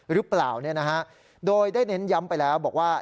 หรือเปล่าโดยได้เน้นย้ำไปแล้วบอกว่า